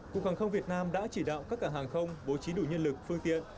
cục hàng không việt nam đã chỉ đạo các cảng hàng không bố trí đủ nhân lực phương tiện